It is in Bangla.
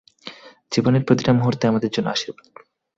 জীবনের প্রতিটা মূহুর্তই আমাদের জন্য আশীর্বাদ।